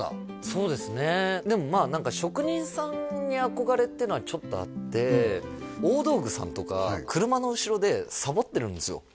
そうですねでも何か職人さんに憧れっていうのはちょっとあって大道具さんとか車の後ろでサボってるんですよ